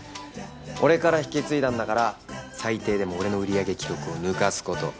俺から引き継いだんだから最低でも俺の売り上げ記録を抜かす事。